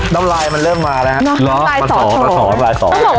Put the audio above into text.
น้ำลายมันเริ่มมาแล้วฮะแล้วกับสวรรค์มาสอนสวรรค์สวรรค์